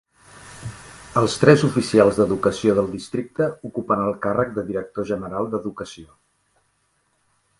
Els tres oficials d'educació del districte ocupen el càrrec de director general d'educació.